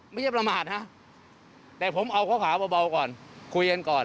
ไม่ได้ประมาทแต่ผมเอาข่าวบ่าเปล่าก่อนคุยกันก่อน